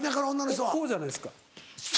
こうじゃないですか。